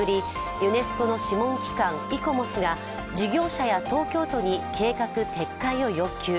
ユネスコの諮問機関、イコモスが事業者や東京都に計画撤回を要求。